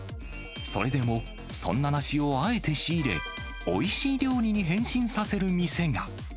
それでも、そんな梨をあえて仕入れ、おいしい料理に変身させる店が。